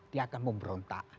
dia akan memberontak